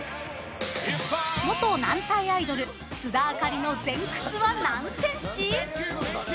元軟体アイドル須田亜香里の前屈は何センチ？